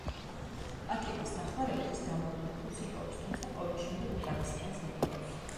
პატიმრის დახმარებით ის დამალულ ფულს იპოვის, თუმცა, პოვნის შემდეგ, უკანასკნელს მოკლავს.